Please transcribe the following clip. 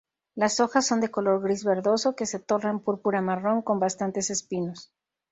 Las hojas son de color gris-verdoso que se tornan púrpura-marrón con bastantes espinos.